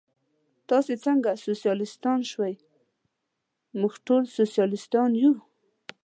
تاسې څنګه سوسیالیستان شوئ؟ موږ ټول سوسیالیستان یو.